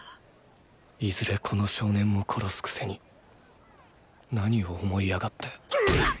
いずれこの少年も殺すくせに何を思い上がってトゥイ！